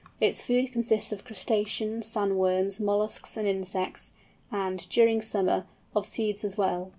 Its food consists of crustaceans, sand worms, molluscs, and insects; and, during summer, of seeds as well.